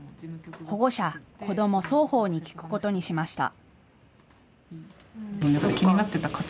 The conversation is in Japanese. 保護者、子ども双方に聞くことにしました。